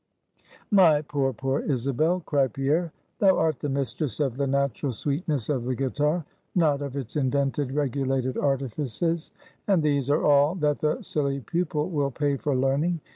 "My poor poor, Isabel!" cried Pierre; "thou art the mistress of the natural sweetness of the guitar, not of its invented regulated artifices; and these are all that the silly pupil will pay for learning.